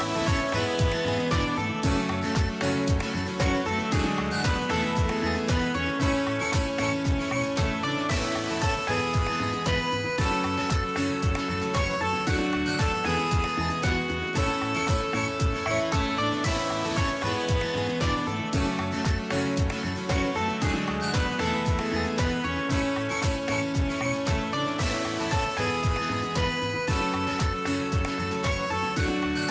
โปรดติดตามตอนต่อไป